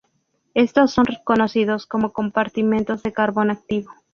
Estos son conocidos como compartimentos de carbón activo.